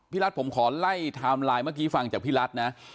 รัฐผมขอไล่ไทม์ไลน์เมื่อกี้ฟังจากพี่รัฐนะ